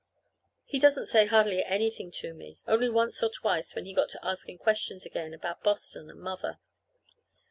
He doesn't say hardly anything to me, only once or twice when he got to asking questions again about Boston and Mother.